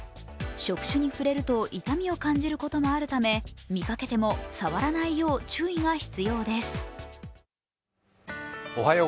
触手に触れると痛みを感じることもあるため見かけても触らないよう注意が必要です。